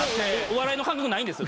お笑いの感覚ないんです。